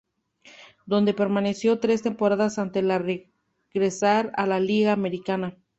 Donde permaneció tres temporadas antes de regresar a la Liga americana.